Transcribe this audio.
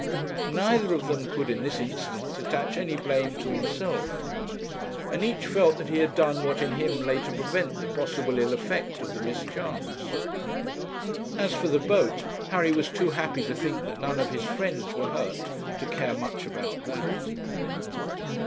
Neither of them could in this instance attach any blame to himself, and each felt that he had done what in him lay to prevent the possible ill effect of the mischance. As for the boat, Harry was too happy to think that none of his friends were hurt to care much about that.